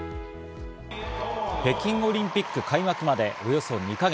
北京オリンピック開幕までおよそ２か月。